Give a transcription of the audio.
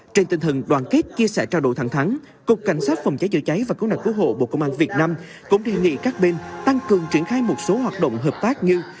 trên tinh thần đoàn kết chia sẻ trao đổi thẳng thắng cục cảnh sát phòng cháy chữa cháy và cứu nạn cứu hộ bộ công an việt nam cũng đề nghị các bên tăng cường triển khai một số hoạt động hợp tác như